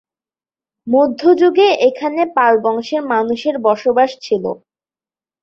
মধ্যযুগে এখানে পাল বংশের মানুষের বসবাস ছিলো।